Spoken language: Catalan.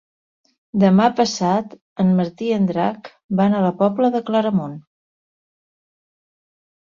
Demà passat en Martí i en Drac van a la Pobla de Claramunt.